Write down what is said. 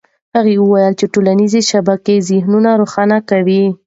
هغه وویل چې ټولنيزې شبکې ذهنونه روښانه کوي.